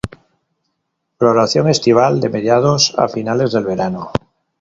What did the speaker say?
Floración estival, de mediados a finales del verano.